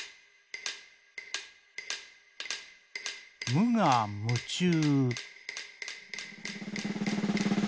「むがむちゅう」。